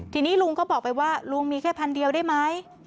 ทีนี้ลุงก็บอกไปว่าลุงมีแค่พันเดียวได้ไหม